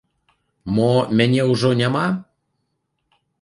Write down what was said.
Мо мяне ўжо няма?